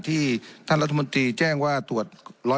ที่ท่านรัฐมนตรีแจ้งว่าตรวจ๑๕